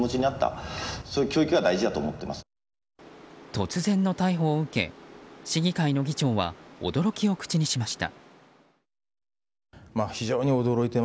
突然の逮捕を受け市議会の議長は驚きを口にしました。